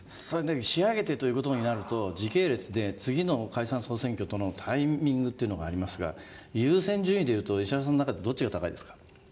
それは仕上げてということになると、時系列で、次の解散・総選挙とのタイミングっていうのがありますが、優先順位でいうと、石原さんの中では、どっちが高いですか。